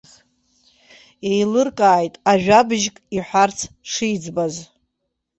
Еилыркааит ажәабжьк иҳәарц шиӡбаз.